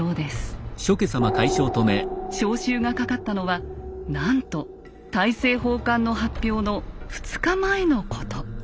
招集がかかったのはなんと大政奉還の発表の２日前のこと。